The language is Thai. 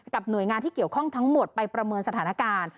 หน่วยงานที่เกี่ยวข้องทั้งหมดไปประเมินสถานการณ์